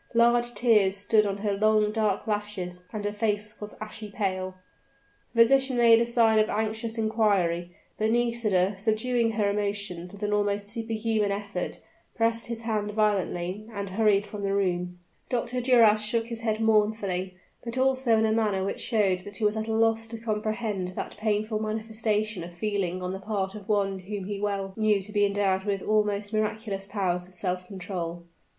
Large tears stood on her long, dark lashes, and her face was ashy pale. The physician made a sign of anxious inquiry; but Nisida, subduing her emotions with an almost superhuman effort, pressed his hand violently and hurried from the room. Dr. Duras shook his head mournfully, but also in a manner which showed that he was at a loss to comprehend that painful manifestation of feeling on the part of one whom he well knew to be endowed with almost miraculous powers of self control.